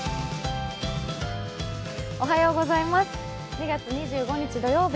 ２月２５日土曜日